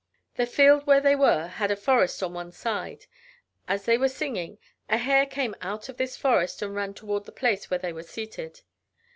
The field where they were had a forest on one side of it. As they were singing, a hare came out of this forest, and ran toward the place where they were seated.